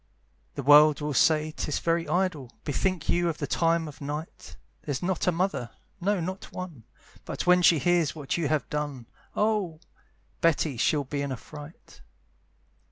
The world will say 'tis very idle, Bethink you of the time of night; There's not a mother, no not one, But when she hears what you have done, Oh! Betty she'll be in a fright.